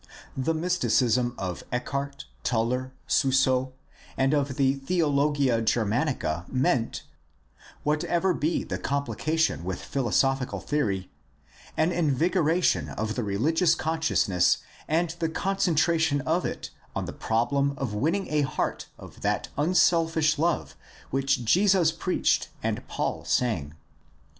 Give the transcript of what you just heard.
The mysticism of Eckhart, Tauler, Suso, and of the Theologia Germanica meant — whatever be the complication with philosophical theory — an infvigoration of the religious consciousness and the con centration of it on the problem of winning a heart of that 352 GUIDE TO STUDY OF CHRISTIAN RELIGION unselfish love which Jesus preached and Paul sang.